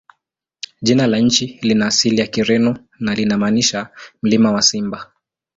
Jina la nchi lina asili ya Kireno na linamaanisha "Mlima wa Simba".